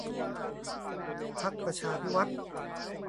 พรรคประชาภิวัฒน์